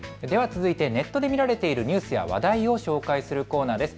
続いてネットで見られているニュースや話題を紹介するコーナーです。